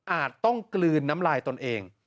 ต้องกลืนน้ำลายตนเอง